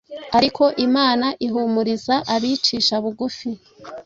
Ariko Imana ihumuriza abicisha bugufi,